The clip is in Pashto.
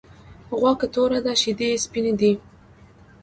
غوا که توره ده شيدې یی سپيني دی .